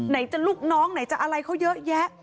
ไหนจะลูกน้องไหนจะอะไรเขาเยอะแยะ